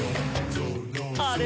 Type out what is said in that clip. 「あれ？